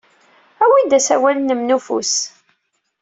Awi-d asawal-nnem n ufus.